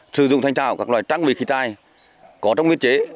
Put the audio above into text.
sử dụng thanh tạo các loại trang bị khí tài có trong nguyên chế